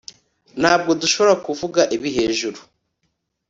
Ntabwo dushobora kuvuga ibi hejuru